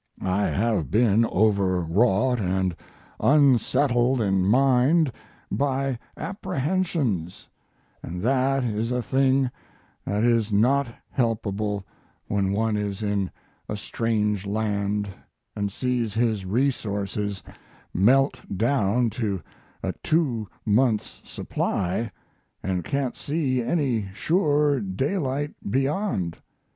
I have been overwrought & unsettled in mind by apprehensions, & that is a thing that is not helpable when one is in a strange land & sees his resources melt down to a two months' supply & can't see any sure daylight beyond.